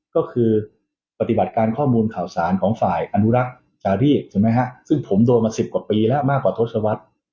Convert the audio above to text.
ก็คือปฏิบัติการข้อมูลข่าวสารของฝ่ายอนุรักษ์จาที่ใช่ไหมฮะซึ่งผมโดนมา๑๐กว่าปีแล้วมากกว่าทศวรรษ